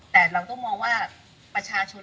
แต่เราต้องมองว่าประชาชน